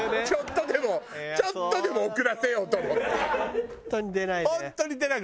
ちょっとでもちょっとでも遅らせようと思って。